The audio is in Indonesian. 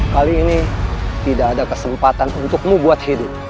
kali ini tidak ada kesempatan untukmu buat hidup